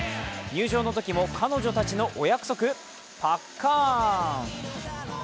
入場のときも彼女たちのお約束、パッカーン。